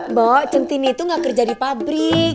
mbok centini itu gak kerja di pabrik